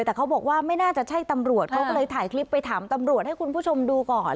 แต่เขาบอกว่าไม่น่าจะใช่ตำรวจเขาก็เลยถ่ายคลิปไปถามตำรวจให้คุณผู้ชมดูก่อน